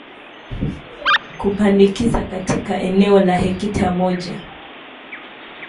kupandikiza katika eneo la hekta moja.